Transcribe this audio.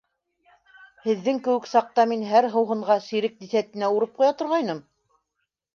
Һеҙҙең кеүек саҡта мин һәр һыуһынға сирек десятина урып ҡуя торғайным.